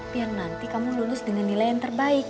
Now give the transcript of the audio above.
biar nanti kamu lulus dengan nilai yang terbaik